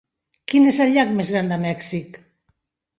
Quin és el llac més gran de Mèxic?